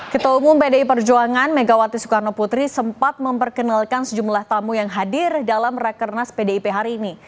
ketua umum pdi perjuangan megawati soekarno putri sempat memperkenalkan sejumlah tamu yang hadir dalam rakernas pdip hari ini